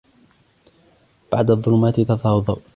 بعد الظلمات تظهر الضوء.